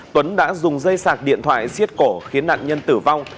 tuấn đã dùng dây sạc điện thoại xiết cổ khiến nạn nhân tử vong